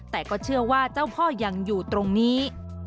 แต่ก็เชื่อว่าเจ้าพ่อยังอยู่ตรงนี้